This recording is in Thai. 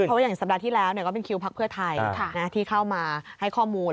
เพราะว่าอย่างสัปดาห์ที่แล้วก็เป็นคิวพักเพื่อไทยที่เข้ามาให้ข้อมูล